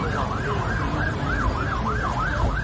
ขอบรรที่หาพ่อโดนยิง